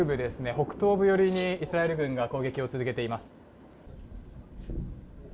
北東部よりにイスラエル軍が攻撃を続けています